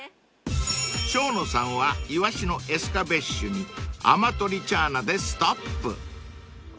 ［生野さんはイワシのエスカベッシュにアマトリチャーナでストップ］